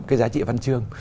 cái giá trị văn chương